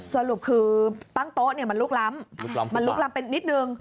สรุปคือตั้งโต๊ะมันลุกล้ำเป็นนิดนึง